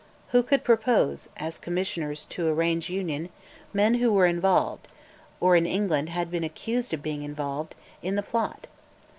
Who could propose, as Commissioners to arrange Union, men who were involved or in England had been accused of being involved in the plot?